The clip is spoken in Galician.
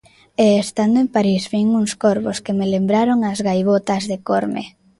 E estando en París vin uns corvos que me lembraron as gaivotas de Corme.